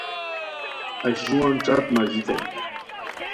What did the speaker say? اشروان ݯت ماژیتائے